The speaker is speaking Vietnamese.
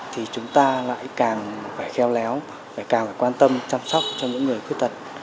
thì chúng ta lại càng phải kheo léo càng phải quan tâm chăm sóc cho những người khuyết tật